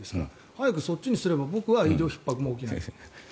早くそっちにすれば僕も医療ひっ迫は起きないと思う。